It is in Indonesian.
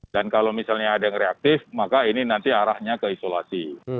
dan kalau misalnya ada yang reaktif maka ini nanti arahnya ke isolasi